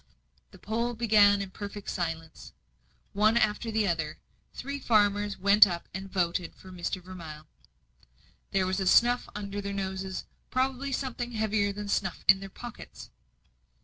The poll began in perfect silence. One after the other, three farmers went up and voted for Mr. Vermilye. There was snuff under their noses probably something heavier than snuff in their pockets.